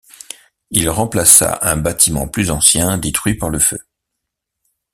Il remplaça un bâtiment plus ancien détruit par le feu.